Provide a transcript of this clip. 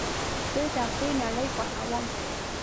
زه د تفریح نړۍ خوښوم.